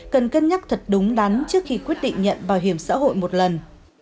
cần cân nhắc thật đúng đắn trước khi quyết định nhận bảo hiểm xã hội một lần